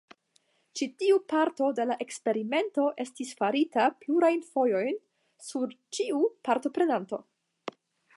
Ĉi tiu parto de la eksperimento estis farita plurajn fojojn sur ĉiu partoprenanto.